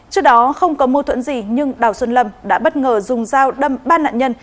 trước đó không có mâu thuẫn gì nhưng đào xuân lâm đã bất ngờ dùng dao đâm ba nạn nhân